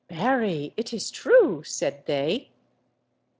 "Marry, it is true," said they.